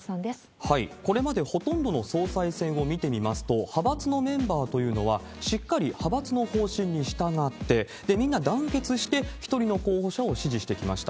これまでほとんどの総裁選を見てみますと、派閥のメンバーというのは、しっかり派閥の方針に従って、みんな団結して、１人の候補者を支持してきました。